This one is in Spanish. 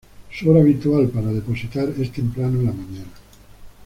Su hora habitual para depositar es temprano en la mañana.